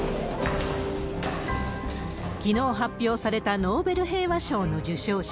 きのう発表されたノーベル平和賞の受賞者。